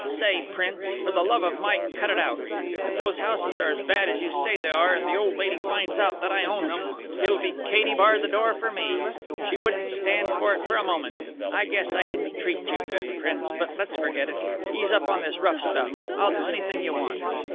Say, Prince, for the love of Mike cut it out. If those houses are as bad as you say they are, and the old lady finds out that I own them, it'll be Katie bar the door for me. She wouldn't stand for it for a moment. I guess I didn't treat you good, Prince, but let's forget it. Ease up on this rough stuff. I'll do anything you want."